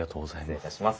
失礼いたします。